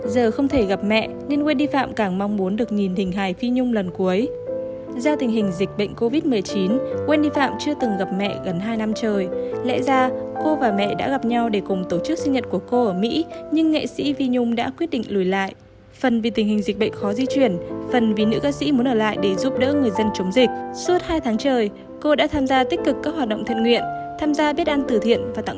xin chào và hẹn gặp lại